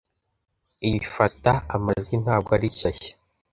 Iyi fata amajwi ntabwo ari shyashya.